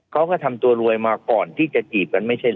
เขาก็ทำตัวรวยมาก่อนที่จะจีบกันไม่ใช่เหรอ